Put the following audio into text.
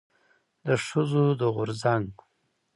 د ښځو د غورځنګ